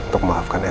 untuk maafkan elsa